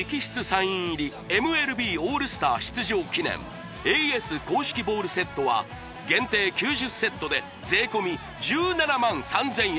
サイン入りＭＬＢオールスター出場記念ＡＳ公式ボールセットは限定９０セットで税込１７万３０００円